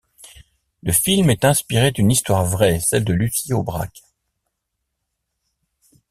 Le film est inspiré d'une histoire vraie, celle de Lucie Aubrac.